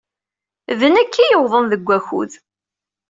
D nekk ay yuwḍen deg wakud.